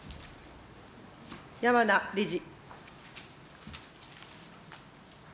山名理事。